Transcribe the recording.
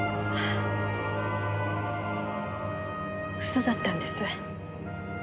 嘘だったんです。